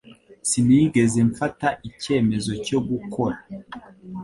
Sinigeze mfata icyemezo cyo gukora